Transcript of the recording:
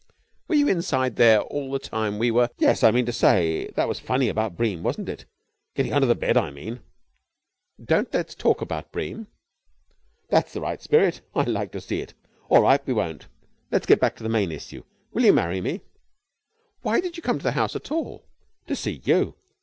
"Were you inside there all the time we were...?" "Yes. I say, that was funny about Bream, wasn't it? Getting under the bed, I mean." "Don't let's talk about Bream." "That's the right spirit! I like to see it! All right, we won't. Let's get back to the main issue. Will you marry me?" "But why did you come to the house at all?" "To see you."